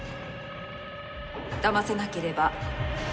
だませなければ。